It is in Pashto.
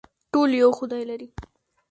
ټول یو خدای لري